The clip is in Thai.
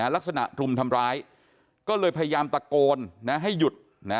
ลักษณะรุมทำร้ายก็เลยพยายามตะโกนให้หยุด